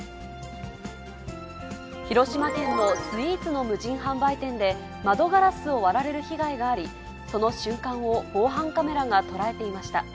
広島県のスイーツの無人販売店で、窓ガラスを割られる被害があり、その瞬間を防犯カメラが捉えていました。